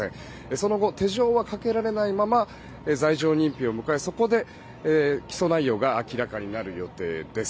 その後、手錠はかけられないまま罪状認否を迎えそこで起訴内容が明らかになるもようです。